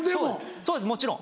そうですもちろん。